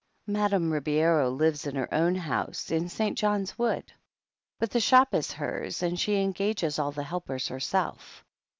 Madame Ribeiro lives in her own house, in St. John's Wood. But the shop is hers, and she engages all the helpers herself.